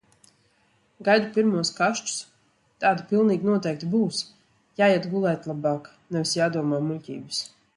Gaidu pirmos kašķus, tādi pilnīgi noteikti būs. Jāiet gulēt labāk, nevis jādomā muļķības.